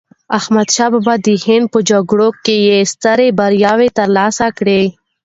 احمد شاه بابا د هند په جګړو کې یې سترې بریاوې ترلاسه کړې.